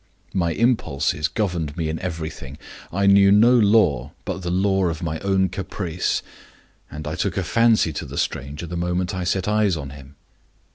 My impulses governed me in everything; I knew no law but the law of my own caprice, and I took a fancy to the stranger the moment I set eyes on him.